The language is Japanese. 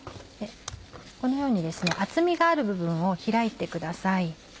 このように厚みがある部分を開いてください。